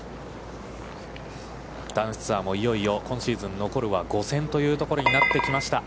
男子ツアーもいよいよ今シーズン、残るは５戦というところになってきました。